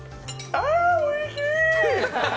あ、おいしい。